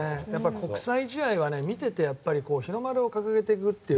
国際試合は見てて日の丸を掲げているっていう。